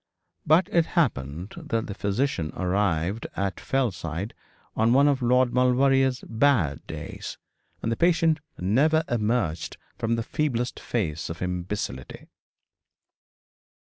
But it happened that the physician arrived at Fellside on one of Lord Maulevrier's bad days, and the patient never emerged from the feeblest phase of imbecility.